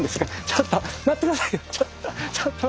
ちょっと待って下さい！